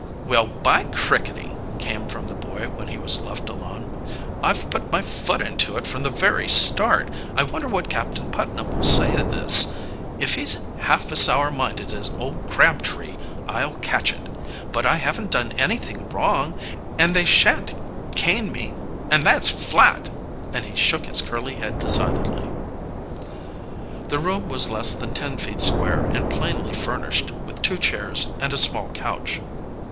"Well, by crickety!" came from the boy when he was left alone. "I've put my foot into it from the very start. I wonder what Captain Putnam will say to this? If he's half as sour minded as old Crabtree, I'll catch it. But I haven't done anything wrong, and they shan't cane me and that's flat!" and he shook his curly head decidedly. The room was less than ten feet square and plainly furnished with two chairs and a small couch.